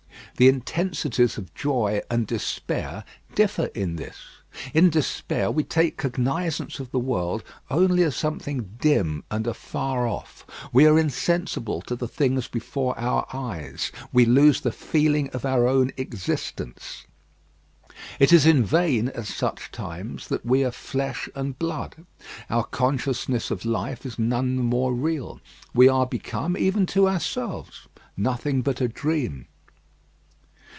The intensities of joy and despair differ in this. In despair, we take cognisance of the world only as something dim and afar off: we are insensible to the things before our eyes; we lose the feeling of our own existence. It is in vain, at such times, that we are flesh and blood; our consciousness of life is none the more real: we are become, even to ourselves, nothing but a dream.